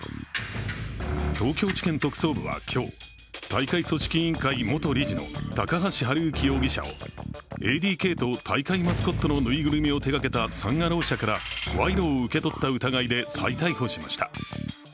東京地検特捜部は今日、大会組織委員会元理事の高橋治之容疑者をＡＤＫと大会マスコットのぬいぐるみを手がけたサン・アロー社から賄賂を受け取った疑いで再逮捕しました。